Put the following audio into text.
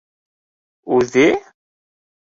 Үҙе?!